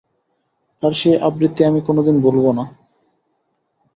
তার সেই আবৃত্তি আমি কোনোদিন ভুলব না।